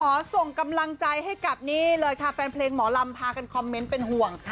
ขอส่งกำลังใจให้กับนี่เลยค่ะแฟนเพลงหมอลำพากันคอมเมนต์เป็นห่วง